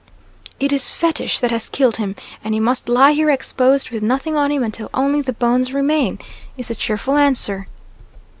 "It is fetish that has killed him, and he must lie here exposed with nothing on him until only the bones remain," is the cheerful answer.